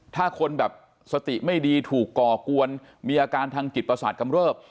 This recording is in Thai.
ถ้าคนแบบสติไม่ดีถูกก่อกวนมีอาการทางจิตประสาทกำเริบ